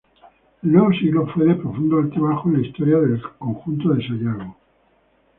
El nuevo siglo fue de profundos altibajos en la historia del conjunto de Sayago.